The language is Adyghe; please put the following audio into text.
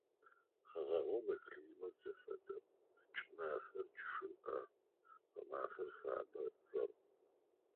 Хэгъэгум иклимат зэфэдэп: кӏымафэр чъыӏэ, гъэмафэр фабэ, жъоркъ.